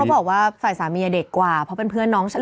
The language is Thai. บอกว่าฝ่ายสามีเด็กกว่าเพราะเป็นเพื่อนน้องฉัน